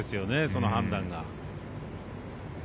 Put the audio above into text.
その判断が。